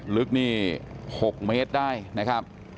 ลึกนี่๖เมตรได้นะครับ